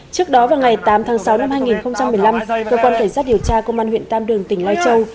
trước đó vào ngày tám tháng sáu năm hai nghìn một mươi năm cơ quan cảnh sát điều tra công an huyện tam đường tỉnh lai châu